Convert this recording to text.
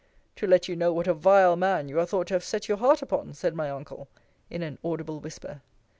To let you know what a vile man you are thought to have set your heart upon, said my uncle, in an audible whisper.